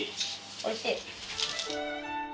おいしい。